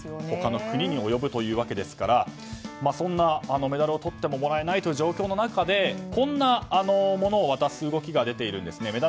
他の国に及ぶということですからメダルをとってももらえないという状況の中でこんなものを渡す動きが出ているんですね。